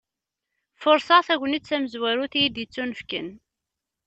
Furseɣ tagnit tamezwarut iyi-d-yettunefken.